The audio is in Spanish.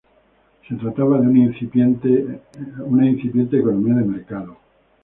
Se trataba de una incipiente economía de mercado.